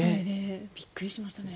びっくりしましたね。